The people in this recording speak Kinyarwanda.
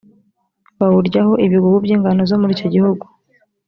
bawuryaho ibigugu by ingano zo muri icyo gihugu